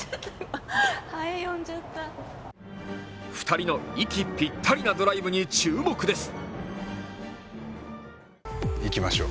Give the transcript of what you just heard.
２人の息ぴったりなドライブに注目です。